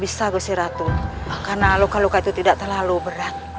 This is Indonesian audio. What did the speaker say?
bisa gue si ratu karena lokaluka itu tidak terlalu berat